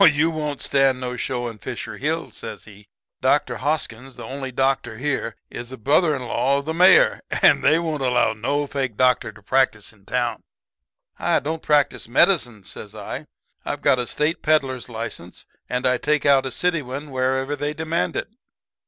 "'Oh, you won't stand no show in Fisher Hill,' says he. 'Dr. Hoskins, the only doctor here, is a brother in law of the Mayor, and they won't allow no fake doctor to practice in town.' "'I don't practice medicine,' says I, 'I've got a State peddler's license, and I take out a city one wherever they demand it.'